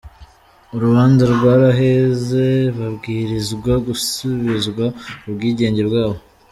Urubanza rwaraheze, babwirizwa gusubizwa ubwigenge bwabo".